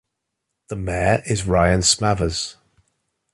The mayor is Ryan Smathers.